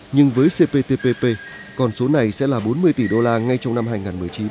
nhưng với cptpp con số này sẽ là bốn mươi tỷ đô la ngay trong năm hai nghìn một mươi chín